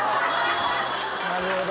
なるほど。